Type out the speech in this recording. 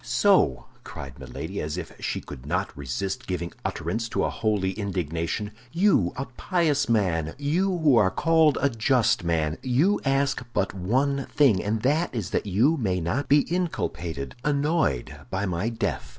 "So," cried Milady, as if she could not resist giving utterance to a holy indignation, "you, a pious man, you who are called a just man, you ask but one thing—and that is that you may not be inculpated, annoyed, by my death!"